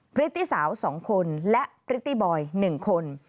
พริตตี้สาว๒คนและพริตตี้บอย๑คน